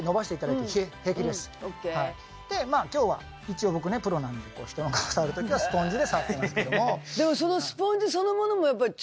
まあ今日は一応僕プロなので人の顔触る時はスポンジで触りますけども。